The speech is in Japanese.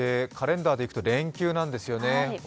カレンダーでいくと連休なんですよね。